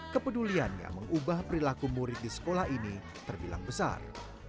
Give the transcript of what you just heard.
kepeduliannya mengubah perilaku murid di sekolah ini terbilang besar